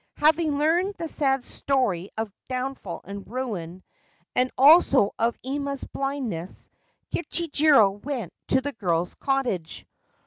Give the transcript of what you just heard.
Having learned the sad story of downfall and ruin, and also of Ima's blindness, Kichijiro went to the girl's cottage.